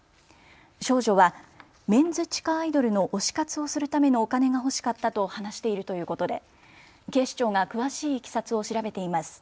少女はメンズ地下アイドルの推し活をするためのお金が欲しかったと話しているということで警視庁が詳しいいきさつを調べています。